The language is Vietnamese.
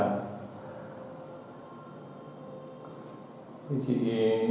thì chị điện